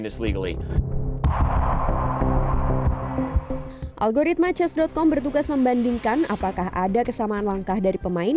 dan apakah ada kesamaan langkah dari pemain